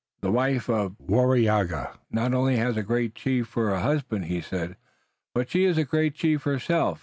"The wife of Waraiyageh not only has a great chief for a husband," he said, "but she is a great chief herself.